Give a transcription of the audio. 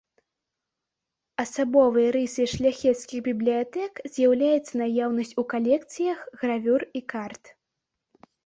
Асабовай рысай шляхецкіх бібліятэк з'яўляецца наяўнасць у калекцыях гравюр і карт.